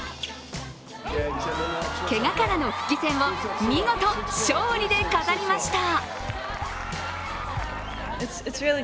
けがからの復帰戦を見事勝利で飾りました。